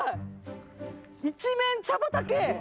一面茶畑。